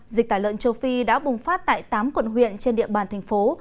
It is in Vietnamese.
dịch tả lợn châu phi đã bùng phát tại tám quận huyện trên địa bàn thành phố